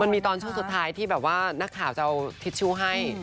มีตอนช่วงสุดท้ายที่แบบว่านักข่าวจะเอาทิชชู่ให้